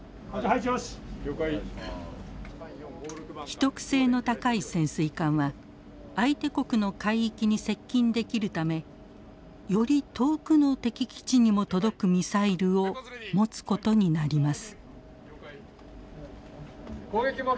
秘匿性の高い潜水艦は相手国の海域に接近できるためより遠くの敵基地にも届くミサイルを持つことになります。